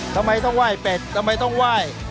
ทำไมต้องไหว้เป็ดทำไมต้องไหว้